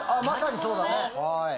まさにそうだね。